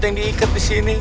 yang diikat disini